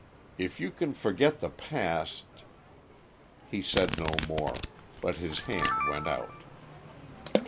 If you can forget the past " He said no more, but his hand went out.